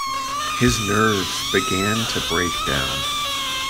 His nerves began to break down.